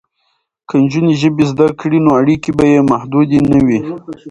که نجونې ژبې زده کړي نو اړیکې به یې محدودې نه وي.